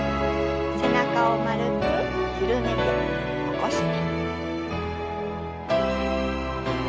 背中を丸く緩めて起こして。